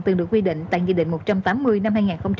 từng được quy định tại nghị định một trăm tám mươi năm hai nghìn bảy